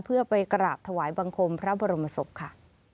เพื่อไปกราบถวายบังคมพระบรมศพค่ะ